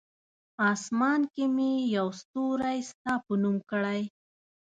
آسمان کې مې یو ستوری ستا په نوم کړی!